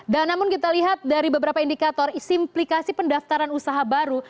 dan namun kita lihat dari beberapa indikator simplikasi pendaftaran usaha baru